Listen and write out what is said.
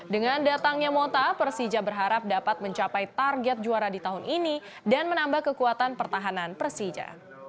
dengan datangnya mota persija berharap dapat mencapai target juara di tahun ini dan menambah kekuatan pertahanan persija